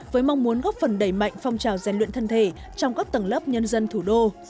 với mong muốn góp phần đẩy mạnh phong trào rèn luyện thân thể trong các tầng lớp nhân dân thủ đô